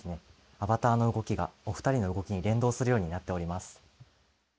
アバターの動きがお二人の動きに連動するようになっております。